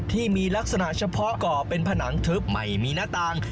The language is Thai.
ที่มีลักษณะเฉพาะก่อเป็นผนังทึบไม่มีหน้าต่าง